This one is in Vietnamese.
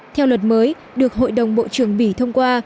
theo luật mới được hội đồng bộ trưởng bỉ thông qua